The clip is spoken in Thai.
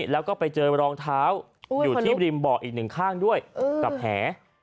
แล้วก็ไปเจอรองเท้าอยู่ที่ริมบ่ออีกอย่างด้วยกับแห